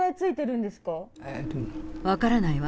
分からないわ。